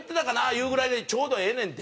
いうぐらいでちょうどええねんって。